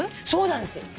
そうなんです。